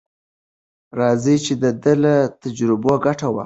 راځئ چې د ده له تجربو ګټه واخلو.